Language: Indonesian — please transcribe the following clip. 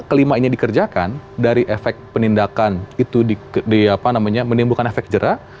kelimanya dikerjakan dari efek penindakan itu menimbulkan efek jerak